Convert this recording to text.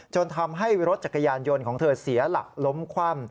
ทำให้รถจักรยานยนต์ของเธอเสียหลักล้มคว่ำ